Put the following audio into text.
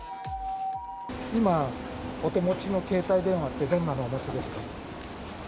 今、お手持ちの携帯電話って、どんなのお持ちですか？